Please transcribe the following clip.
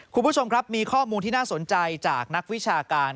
คุณผู้ชมครับมีข้อมูลที่น่าสนใจจากนักวิชาการ